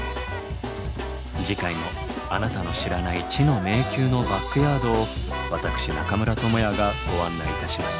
次回もあなたの知らない知の迷宮のバックヤードを私中村倫也がご案内いたします。